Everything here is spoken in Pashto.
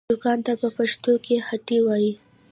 دوکان ته په پښتو کې هټۍ وايي